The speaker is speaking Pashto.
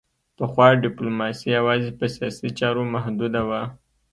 پخوا ډیپلوماسي یوازې په سیاسي چارو محدوده وه